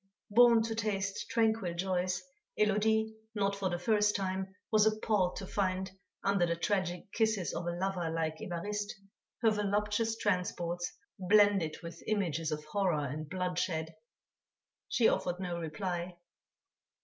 Born to taste tranquil joys, Élodie not for the first time was appalled to find, under the tragic kisses of a lover like Évariste, her voluptuous transports blended with images of horror and bloodshed; she offered no reply.